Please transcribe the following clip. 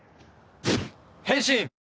変身！